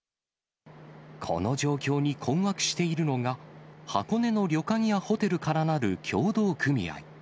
この状況に困惑しているのが、箱根の旅館やホテルからなる協同組合。